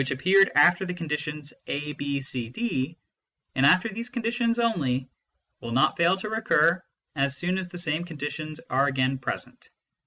186 MYSTICISM AND LOGIC appeared after the conditions a, b, c, d, and after these conditions only, will not fail to recur as soon as the same conditions are again present."